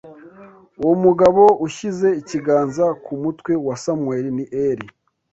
Uwo mugabo ushyize ikiganza ku mutwe wa Samweli ni Eli